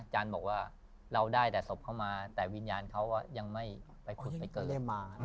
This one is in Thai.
บอกว่าเราได้แต่ศพเข้ามาแต่วิญญาณเขายังไม่ไปขุดไปเกิดมา